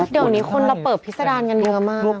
เดี๋ยวนี้คนเราเปิดพิษดารกันเยอะมาก